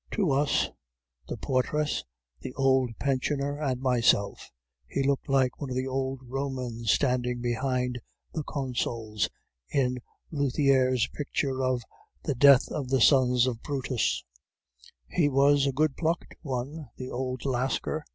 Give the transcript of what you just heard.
To us the portress, the old pensioner, and myself he looked like one of the old Romans standing behind the Consuls in Lethiere's picture of the Death of the Sons of Brutus. "'He was a good plucked one, the old Lascar!